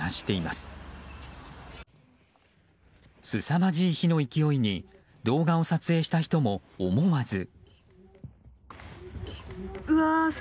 すさまじい火の勢いに動画を撮影した人も思わず。